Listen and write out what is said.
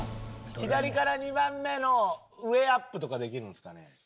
左から２番目の上アップとかできるんですかね？